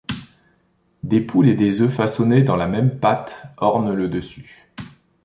Des poules et des œufs façonnés dans la même pâte ornent le dessus.